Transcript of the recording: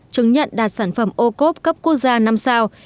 chứng nhận đạt sản phẩm ô cốp cấp quốc gia năm sao